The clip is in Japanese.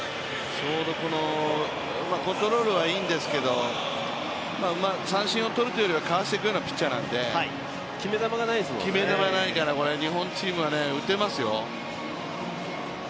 コントロールはいいんですけど、三振を取るというよりはかわしていくようなピッチャーなので、決め球がないから日本チームは打てますよ。